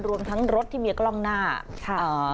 รวมทั้งรถที่มีกล้องหน้าค่ะ